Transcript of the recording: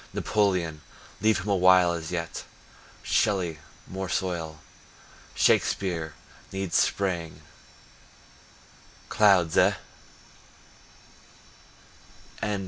Napoleon, leave him awhile as yet. Shelley, more soil. Shakespeare, needs spraying—" Clouds, eh!